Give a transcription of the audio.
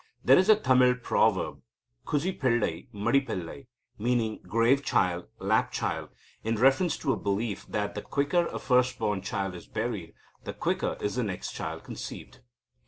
There is a Tamil proverb "Kuzhi pillai, madi pillai," meaning grave child, lap child, in reference to a belief that, the quicker a first born child is buried, the quicker is the next child conceived.